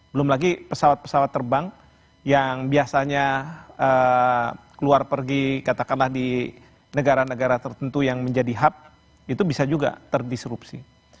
belum lagi pesawat pesawat terbang yang biasanya keluar pergi katakanlah di negara negara tertentu yang menjadi hub itu bisa juga terdisrupsi